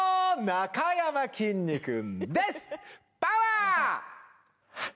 なかやまきんに君Ｉｔ